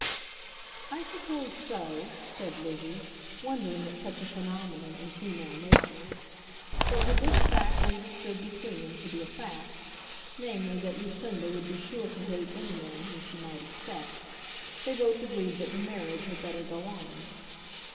"I suppose so," said Lizzie, wondering at such a phenomenon in female nature. But, with this fact understood between them to be a fact, namely, that Lucinda would be sure to hate any man whom she might accept, they both agreed that the marriage had better go on.